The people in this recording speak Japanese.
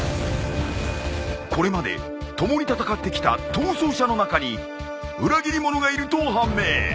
［これまで共に戦ってきた逃走者の中に裏切り者がいると判明］